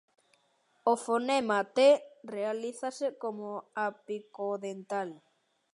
O fonema t realízase como apicodental.